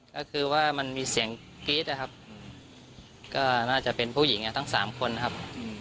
ก็คือว่ามันมีเสียงกรี๊ดนะครับก็น่าจะเป็นผู้หญิงทั้งสามคนครับ